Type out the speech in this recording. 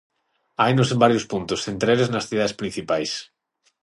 Hainos en varios puntos, entre eles nas cidades principais.